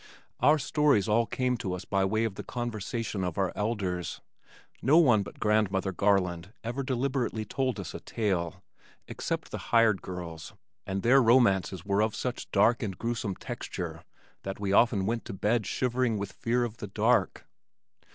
Our stories all came to us by way of the conversation of our elders. No one but grandmother Garland ever deliberately told us a tale except the hired girls, and their romances were of such dark and gruesome texture that we often went to bed shivering with fear of the dark.